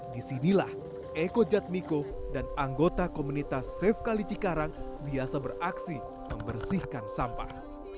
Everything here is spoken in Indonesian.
di sinilah eko jatmiko dan anggota komunitas safe kalici karang biasa beraksi membersihkan sampah